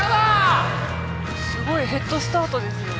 すごいヘッドスタートですよ